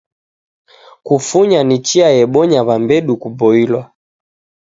Kufunya ni chia yebonya w'ambedu kuboilwa.